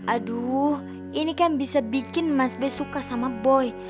aduh ini kan bisa bikin mas b suka sama boy